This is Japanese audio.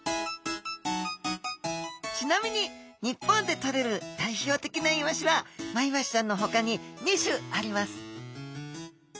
ちなみに日本でとれる代表的なイワシはマイワシちゃんのほかに２種あります